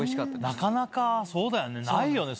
なかなかそうだよねないよね